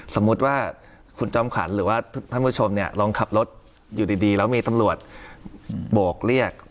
สมมุติว่าคุณจอมขวัญหรือว่าท่านผู้ชมเนี่ยลองขับรถอยู่ดีแล้วมีตำรวจโบกเรียก